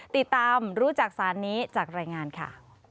ติดตามรู้จักสารนี้จากรายงานค่ะ